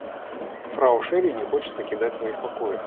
Фрау Шерри не хочет покидать своих покоев.